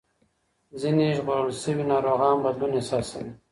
ځینې ژغورل شوي ناروغان بدلون احساسوي.